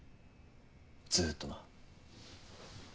ずーっとな。